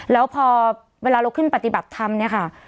แล้วพอเวลาเราขึ้นปฏิบัติธรรมเนี่ยค่ะ